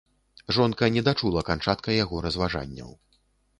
Жонка не дачула канчатка яго разважанняў.